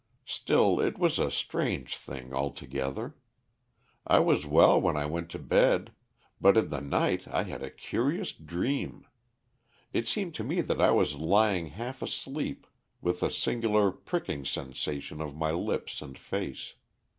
Still, it was a strange thing altogether. I was well when I went to bed, but in the night I had a curious dream. It seemed to me that I was lying half asleep with a singular pricking sensation of my lips and face.